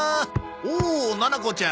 おおななこちゃん。